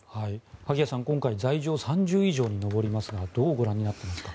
萩谷さん、今回罪状、３０以上に上りますがどうご覧になっていますか？